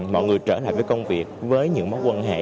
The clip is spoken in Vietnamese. mọi người trở lại với công việc với những mối quan hệ